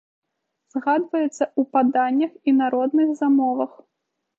Згадваецца ў паданнях і народных замовах.